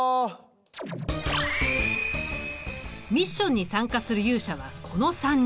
ミッションに参加する勇者はこの３人。